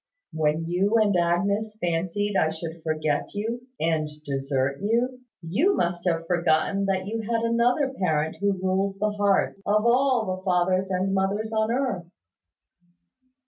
When you and Agnes fancied I should forget you and desert you, you must have forgotten that you had another Parent who rules the hearts of all the fathers and mothers on earth."